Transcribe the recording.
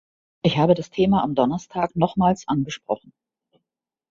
Ich habe das Thema am Donnerstag nochmals angesprochen.